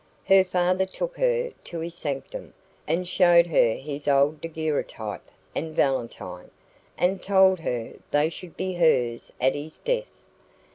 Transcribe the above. Her father took her to his sanctum, and showed her his old daguerreotype and valentine, and told her they should be hers at his death.